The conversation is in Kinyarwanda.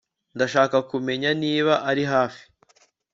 Ndashaka kumenya niba ari hafi